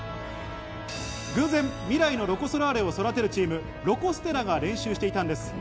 偶然、未来のロコ・ソラーレを育てるチーム、ロコ・ステラが練習していたんです。